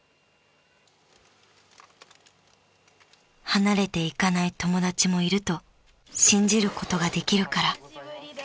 ［離れていかない友達もいると信じることができるから］